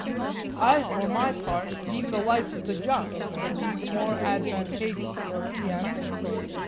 I for my part deem the life of the just to be the more advantageous, he answered.